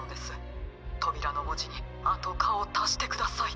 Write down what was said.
とびらのもじに『あ』と『か』をたしてください」。